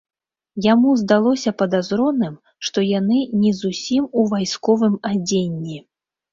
Яму здалося падазроным, што яны не зусім у вайсковым адзенні.